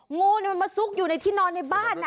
งูมันมาซุกอยู่ในที่นอนในบ้านนะ